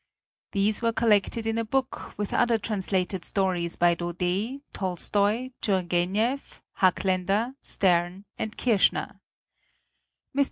These were collected in a book, with other translated stories by Daudet, Tolstoi, Turgeniev, Hacklaender, Stern and Kirschner. Mr.